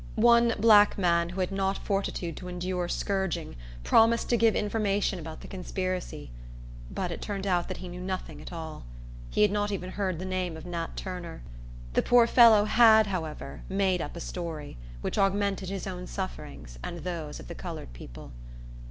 One black man, who had not fortitude to endure scourging, promised to give information about the conspiracy. But it turned out that he knew nothing at all. He had not even heard the name of Nat Turner. The poor fellow had, however, made up a story, which augmented his own sufferings and those of the colored people.